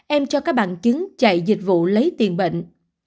em cho các bằng chứng chạy dịch vụ lấy tiền bệnh